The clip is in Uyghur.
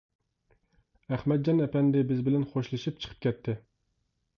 ئەخمەتجان ئەپەندى بىز بىلەن خوشلىشىپ چىقىپ كەتتى.